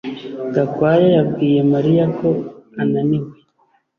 Gakwaya yabwiye Mariya ko ananiwe